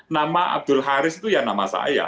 nama abdul haris itu ya nama saya